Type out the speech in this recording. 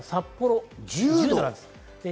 札幌１０度です。